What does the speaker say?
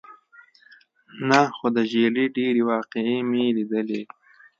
نه، خو د ژېړي ډېرې واقعې مې لیدلې.